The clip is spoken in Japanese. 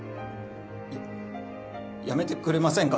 ややめてくれませんか？